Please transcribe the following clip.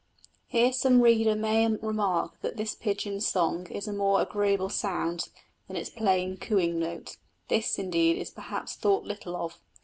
Here some reader may remark that this pigeon's song is a more agreeable sound than its plain cooing note. This, indeed, is perhaps thought little of.